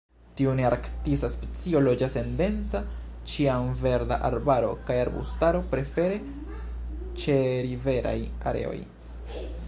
Tiu nearktisa specio loĝas en densa ĉiamverda arbaro kaj arbustaro, prefere ĉeriveraj areoj.